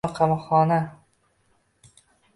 Yarmi qamoqxona